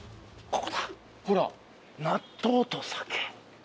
ほら「納豆と酒」。